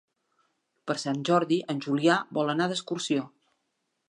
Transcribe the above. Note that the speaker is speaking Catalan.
Per Sant Jordi en Julià vol anar d'excursió.